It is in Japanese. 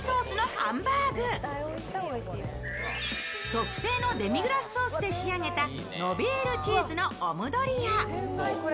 特製のデミグラスソースで仕上げたのびるチーズのオムドリア。